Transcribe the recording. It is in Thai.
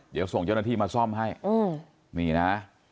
เดี๋ยวส่งเจ้าหน้าที่มาซ่อมให้นี่นะ